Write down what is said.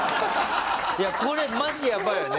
いやこれマジやばいよね。